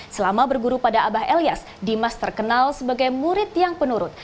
selama berguru pada abah elias dimas terkenal sebagai murid yang penurut